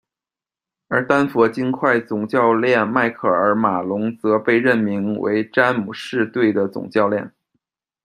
而丹佛金块总教练迈克尔·马龙则被任命为詹姆士队的总教练。